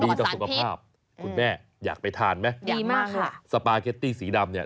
ต่อสุขภาพคุณแม่อยากไปทานไหมดีมากค่ะสปาเกตตี้สีดำเนี่ย